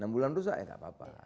enam bulan rusak ya nggak apa apa